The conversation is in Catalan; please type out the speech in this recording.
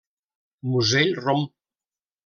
Musell rom.